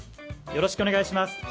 よろしくお願いします。